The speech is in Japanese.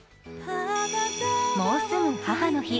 もうすぐ母の日。